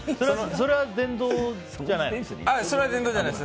それは電動じゃないです。